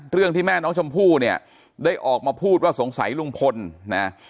เรื่องที่แม่น้องชมพู่เนี่ยได้ออกมาพูดว่าสงสัยลุงพลนะ